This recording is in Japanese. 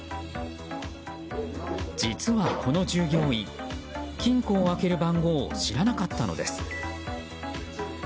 実は、この従業員金庫を開ける番号を知らなかったのです。